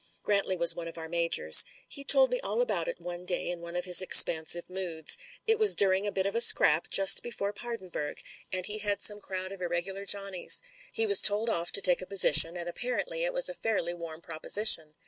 Grantley was one of our majors. "He told me all about it one day in one of his expansive moods. It was during a bit of a scrap just before Paardeburg, and he had some crowd of irregular Johnnies. He was told off to take a position, and apparently it was a fairly warm propo sition.